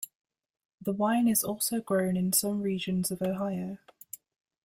The wine is also grown in some regions of Ohio.